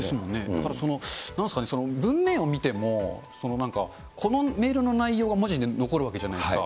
だからその、文面を見ても、このメールの内容が文字で残るわけじゃないですか。